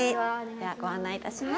では、ご案内いたします。